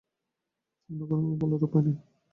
অন্য কোনোভাবে বলার উপায় নেই।